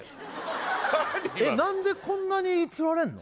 何でこんなにつられんの？